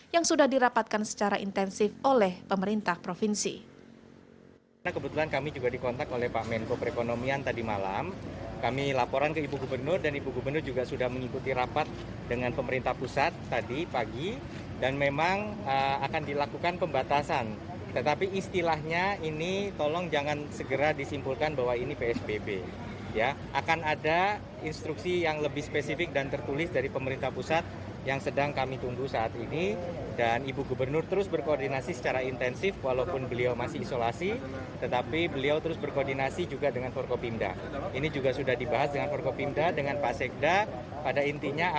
yang sudah dirapatkan secara intensif oleh pemerintah provinsi